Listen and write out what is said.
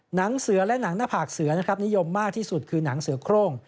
หนังเสือและหนังหน้าผากเสือนะครับนิยมมากที่สุดคือหนังเสือโครง